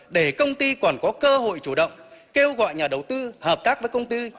để công ty còn có cơ hội chủ động kêu gọi nhà đầu tư hợp tác với công ty